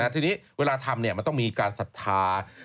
ทีนี้เวลาทำมันต้องมีการศรัทธา